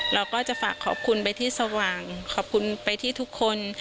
เราก็จะฝากขอบคุณไปที่สว่างขอบคุณไปที่ทุกคน